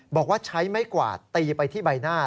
บอกว่าใช้ไม้กวาดตีไปที่ใบหน้า